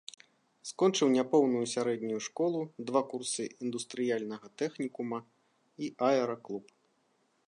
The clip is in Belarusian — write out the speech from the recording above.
Скончыў няпоўную сярэднюю школу, два курсы індустрыяльнага тэхнікума і аэраклуб.